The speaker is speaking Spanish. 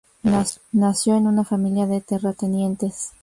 Nació en una familia de terratenientes.